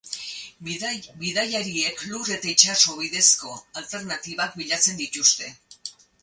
Bidaiariek lur eta itsaso bidezko alternatibak bilatzen dituzte.